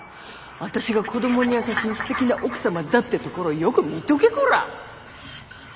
私が子どもに優しいすてきな奥様だってところをよく見とけコラ。